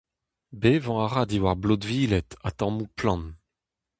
Bevañ a ra diwar blotviled ha tammoù plant.